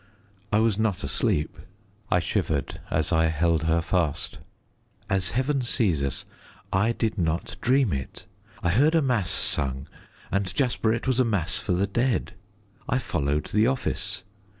I was not asleep." I shivered as I held her fast. "As Heaven sees us, I did not dream it. I heard a mass sung, and, Jasper, it was a mass for the dead. I followed the office.